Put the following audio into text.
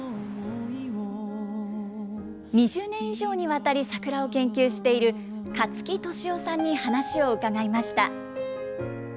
２０年以上にわたり桜を研究している勝木俊雄さんに話を伺いました。